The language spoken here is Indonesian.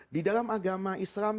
di dalam agama islam